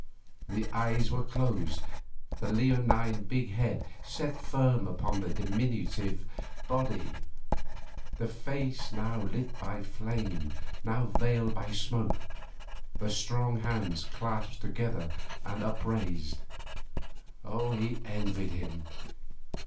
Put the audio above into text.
The eyes were closed, the leonine big head set firm upon the diminutive body, the face now lit by flame, now veiled by smoke, the strong hands clasped together and upraised. He envied him.